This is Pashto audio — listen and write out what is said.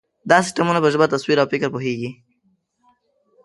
دا سیسټمونه په ژبه، تصویر، او فکر پوهېږي.